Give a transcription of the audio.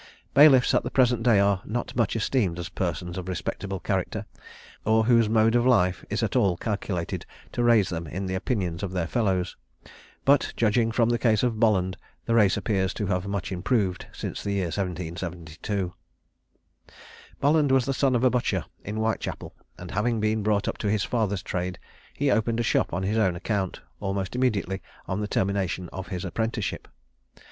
Bailiffs at the present day are not much esteemed as persons of respectable character, or whose mode of life is at all calculated to raise them in the opinions of their fellows; but, judging from the case of Bolland, the race appears to have much improved since the year 1772. Bolland was the son of a butcher in Whitechapel, and having been brought up to his father's trade, he opened a shop on his own account, almost immediately on the termination of his apprenticeship.